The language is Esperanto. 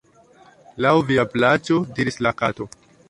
"Laŭ via plaĉo," diris la Kato.